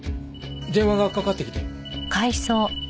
電話がかかってきて。